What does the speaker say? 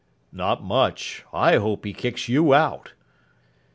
"Not much. I hope he kicks you out."